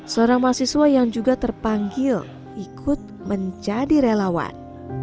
seorang mahasiswa yang juga terpanggil ikut menjadi relawan